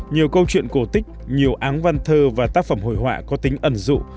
nhiều câu chuyện cổ tích nhiều áng văn thơ và tác phẩm hồi họa có tính ẩn dụ